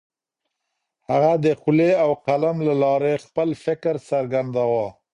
هغه د خولې او قلم له لارې خپل فکر څرګنداوه.